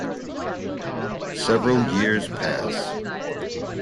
Several years pass.